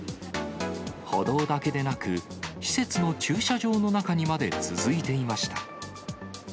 歩道だけでなく、施設の駐車場の中にまで続いていました。